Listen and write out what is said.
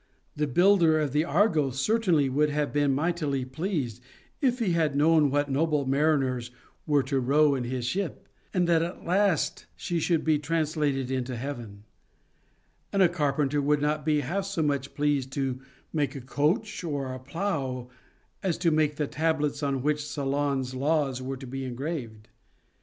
The builder of the Argo certainly would have been mightily pleased, if he had known what noble mari ners were to row in his ship, and that at last she should be translated into heaven ; and a carpenter would not be half so much pleased to make a coach or plough, as to make the tablets on which Solon's laws were to be engraved.